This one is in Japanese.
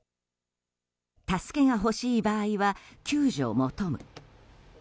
助けが欲しい場合は「救助求む」。